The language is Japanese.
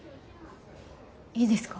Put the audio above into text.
いいですか？